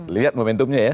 lihat momentumnya ya